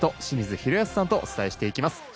清水宏保さんとお伝えしていきます。